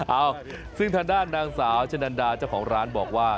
เอ้าซึ่งทางด้านนางสาวชะนันดาเจ้าของร้านบอกว่า